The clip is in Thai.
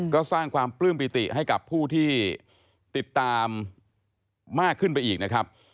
ก็สร้างความปลื้มปิติให้กับผู้ที่ติดตามมากขึ้นไปอีกนะครับ